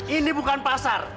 ini bukan pasar